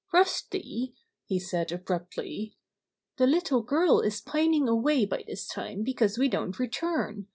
"Rusty," he said abruptly, "the little girl is pining away by this time because we don't re turn.